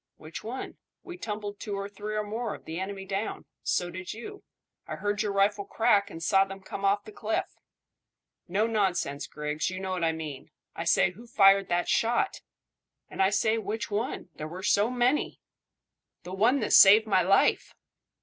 "Which one? We tumbled two or three, or more, of the enemy down. So did you. I heard your rifle crack, and saw them come off the cliff." "No nonsense, Griggs; you know what I mean. I say, who fired that shot?" "And I say which one? There were so many." "The one that saved my life."